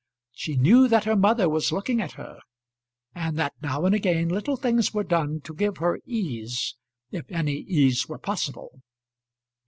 She knew that her mother was looking at her, and that now and again little things were done to give her ease if any ease were possible.